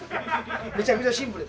めちゃくちゃシンプル。